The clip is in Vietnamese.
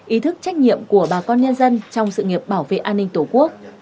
ý thức trách nhiệm của bà con nhân dân trong sự nghiệp bảo vệ an ninh tổ quốc